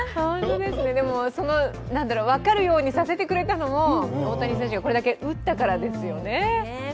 でも、分かるようにさせてくれたのも、大谷選手がこれだけ打ったからですよね。